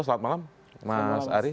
selamat malam mas ari